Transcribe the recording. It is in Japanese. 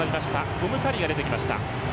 トム・カリーが出てきました。